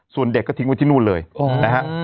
ส่วนเด็กก็ทิ้งไว้ที่นู่นเลยนะฮะ